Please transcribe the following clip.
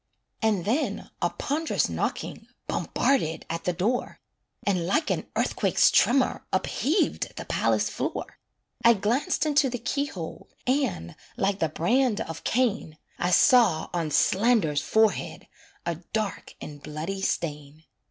And then a pond'rous knocking Bombarded at the door, And like an earthquake's tremor Upheaved the palace floor. I glanced into the key hole, And, like the brand of Cain, I saw on Slander's forehead A dark and bloody stain.